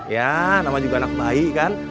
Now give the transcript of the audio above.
ya nama juga anak bayi kan